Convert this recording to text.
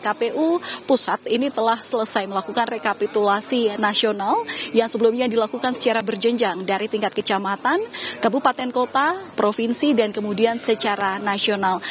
kpu pusat ini telah selesai melakukan rekapitulasi nasional yang sebelumnya dilakukan secara berjenjang dari tingkat kecamatan kabupaten kota provinsi dan kemudian secara nasional